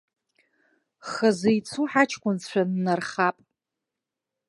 Хазы ицо ҳаҷкәынцәа ннархап.